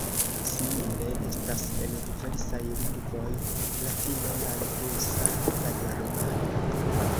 Simile estas en diversaj lingvoj: Latino, la rusa, la germana.